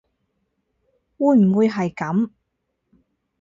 會唔會係噉